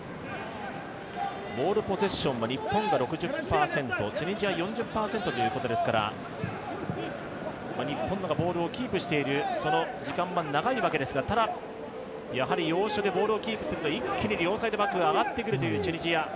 ボールポゼッションは日本が６０％、チュニジア４０％ということですから日本の方がボールをキープしている時間が長いわけですが、ただ要所でボールをキープすると一気に両サイドバックが上がってくるというチュニジア。